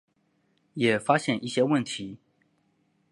也发现一些问题